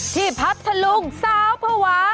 ที่พัดทะลุงซาวภาวะ